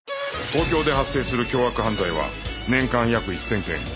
東京で発生する凶悪犯罪は年間約１０００件